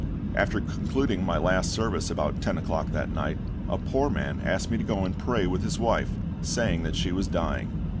After concluding my last service about ten o'clock that night, a poor man asked me to go and pray with his wife, saying that she was dying.